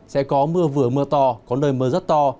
sẽ có mưa vừa mưa to có nơi mưa rất to